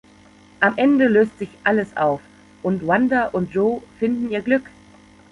Am Ende löst sich alles auf und Wanda und Joe finden ihr Glück.